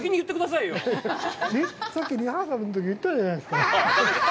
さっきリハーサルのとき言ったじゃないですか。